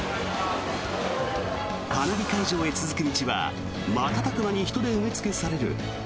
花火会場へ続く道は瞬く間に人で埋め尽くされる。